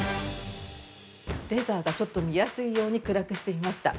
◆レーザーがちょっと見やすいように暗くしてみました。